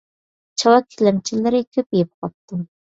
چاۋاك تىلەمچىلىرى كۆپىيىپ قاپتۇ.